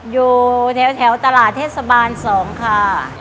อยู่แถวตลาดเทศบาล๒ค่ะ